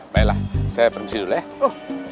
baiklah saya permisi dulu ya